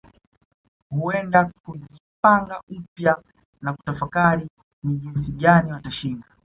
Huenda kujipanga upya na kutafakari ni jinsi gani watashinda